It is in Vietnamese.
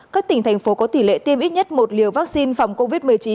các tỉnh thành phố có tỷ lệ tiêm ít nhất một liều vaccine phòng covid một mươi chín